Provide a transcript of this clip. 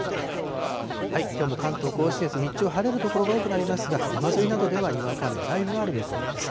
きょうも関東甲信越、日中、晴れる所が多くなりますが、山沿いなどではにわか雨や雷雨がある見込みです。